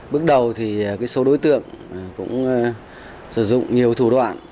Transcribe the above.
bước đầu thì số đối tượng cũng sử dụng nhiều thủ đoạn